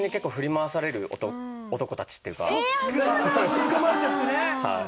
しづかまれちゃってね！